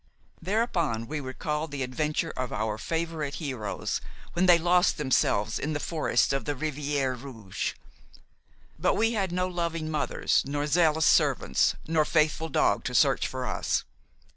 Thereupon we recalled the adventure of our favorite heroes, when they lost themselves in the forests of the Rivière Rouge. But we had no loving mothers, nor zealous servants, nor faithful dog to search for us.